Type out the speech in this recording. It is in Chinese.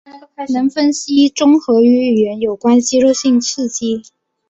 能分析综合与语言有关肌肉性刺激。